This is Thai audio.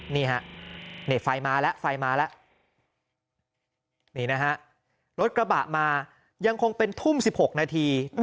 นี่ฮะนี่ไฟมาแล้วไฟมาแล้วนี่นะฮะรถกระบะมายังคงเป็นทุ่ม๑๖นาที